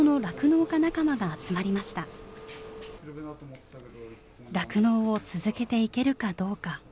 酪農を続けていけるかどうか。